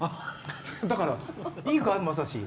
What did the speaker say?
だから、いいかい？